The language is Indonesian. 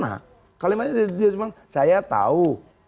nah kalimatnya dia bilang saya tahu